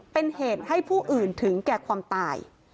เป็นเหตุให้ผู้อื่นถึงแก่ความตาย